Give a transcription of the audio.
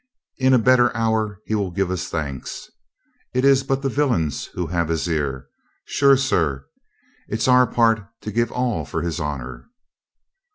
In a better hour he will give us thanks. It is but the villains who have his ear. Sure, sir, it's our part to give all for his honor."